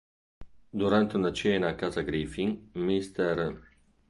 Durante una cena a casa Griffin, Mr.